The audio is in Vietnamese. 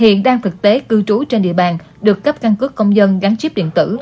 hiện đang thực tế cư trú trên địa bàn được cấp căn cước công dân gắn chip điện tử